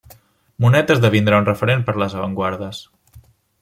Monet esdevindrà un referent per les avantguardes.